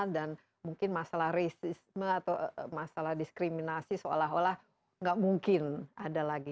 dan mungkin masalah resisme atau masalah diskriminasi seolah olah nggak mungkin ada lagi